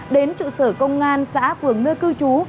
đến trụ sở công an xã phường nơi cư trú